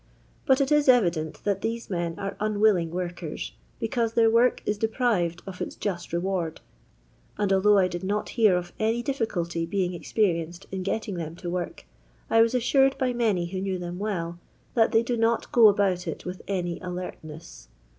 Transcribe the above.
But it is evident that these men are unwilling workers, because their work is deprived of its just reward ; and although I did not hear of any difficulty being experienced in getting them to work, I was assured by many who knew them well, that they do not go about it with any alertness.